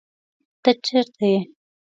ته چرته یې؟